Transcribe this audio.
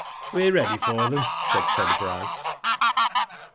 "We're ready for them/' said Ted Bryce.